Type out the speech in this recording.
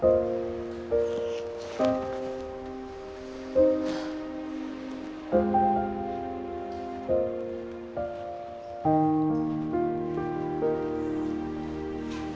terima kasih pak